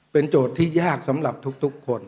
โจทย์ที่ยากสำหรับทุกคน